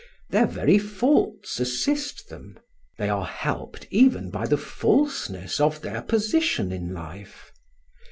Their very faults assist them; they are helped even by the falseness of their position in life.